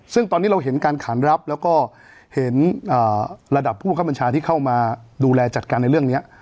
ซึ่งตอนนี้เราเห็นการขานรับแล้วก็เห็นระดับผู้บังคับบัญชาที่เข้ามาดูแลจัดการในเรื่องนี้